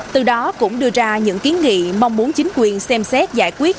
từ đó cũng đưa ra những kiến nghị mong muốn chính quyền xem xét giải quyết